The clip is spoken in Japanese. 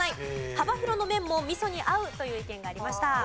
幅広の麺も味噌に合うという意見がありました。